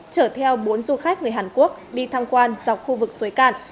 chở theo bốn du khách người hàn quốc đi tham quan dọc khu vực suối cạn